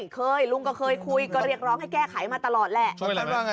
เคยลุงก็เคยคุยก็เรียกร้องให้แก้ไขมาตลอดแหละ